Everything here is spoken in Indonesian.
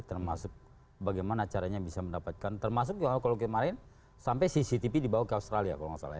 termasuk bagaimana caranya bisa mendapatkan termasuk kalau kemarin sampai cctv dibawa ke australia